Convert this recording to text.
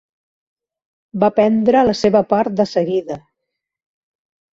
Va prendre la seva part de seguida.